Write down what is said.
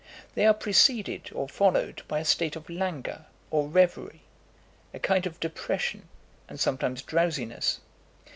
They are preceded or followed by a state of langour or reverie, a kind of depression, and sometimes drowsiness.